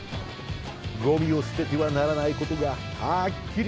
ゴミをすててはならないことがはっきりとわかる。